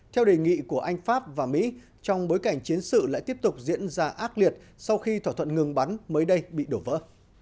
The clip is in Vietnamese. theo đề nghị của anh pháp và mỹ trong bối cảnh chiến sự lại tiếp tục diễn ra ác liệt sau khi thỏa thuận ngừng bắn mới đây bị đổ vỡ